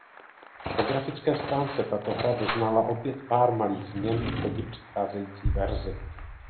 Po grafické stránce tato hra doznala opět pár malých změn oproti předcházející verzi.